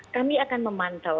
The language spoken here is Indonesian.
kami akan memantau